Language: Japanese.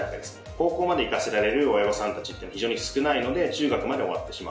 高校まで行かせられる親御さんたちっていうのは非常に少ないので中学までで終わってしまう。